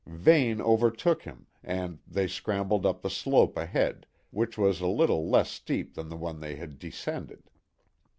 Vane overtook him, and they scrambled up the slope ahead, which was a little less steep than the one they had descended.